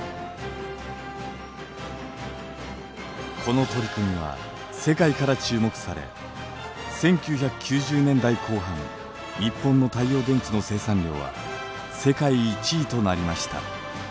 この取り組みは世界から注目され１９９０年代後半日本の太陽電池の生産量は世界１位となりました。